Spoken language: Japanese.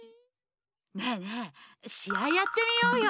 ねえねえしあいやってみようよ！